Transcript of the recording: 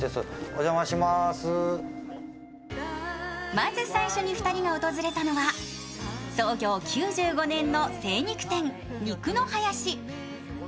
まず最初に２人が訪れたのは創業９５年の精肉店、肉のハヤシ。